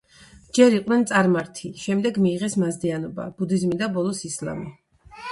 ჯერ იყვნენ წარმართი, შემდეგ მიიღეს მაზდეანობა, ბუდიზმი და ბოლოს ისლამი.